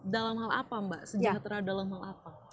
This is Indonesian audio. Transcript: dalam hal apa mbak sejahtera dalam hal apa